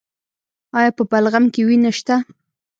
ایا په بلغم کې وینه شته؟